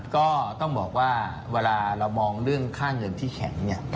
ก็ต้องบอกว่าเวลาเรามองเรื่องค่าเงินที่แข็งเนี่ย